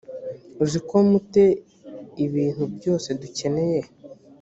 uzi ko mu te ibintu byose dukeneye